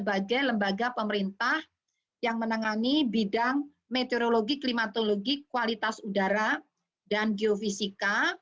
dan ini adalah hal yang diperlukan oleh pemerintah yang menengani bidang meteorologi klimatologi kualitas udara dan geofisika